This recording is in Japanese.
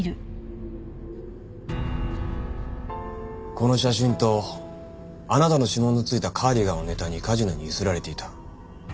この写真とあなたの指紋の付いたカーディガンをネタに梶野に強請られていた。